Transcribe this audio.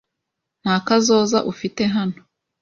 Nta kazoza ufite hano.